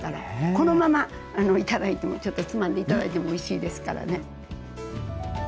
このまま頂いてもちょっとつまんで頂いてもおいしいですからね。